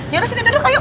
yaudah sini duduk ayo